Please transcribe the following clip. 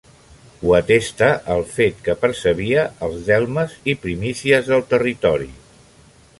Ho atesta el fet que percebia els delmes i primícies del territori.